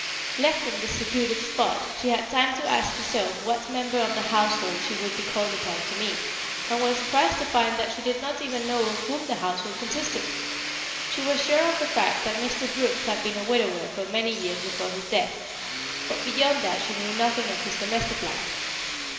Left in this secluded spot, she had time to ask herself what member of the household she would be called upon to meet, and was surprised to find that she did not even know of whom the household consisted. She was sure of the fact that Mr. Brooks had been a widower for many years before his death, but beyond that she knew nothing of his domestic life.